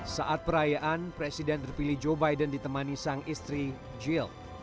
saat perayaan presiden terpilih joe biden ditemani sang istri jil